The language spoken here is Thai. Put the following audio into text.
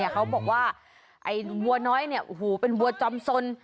เขาบอกว่าไอ้วัวน้อยเป็นวัวจอมสน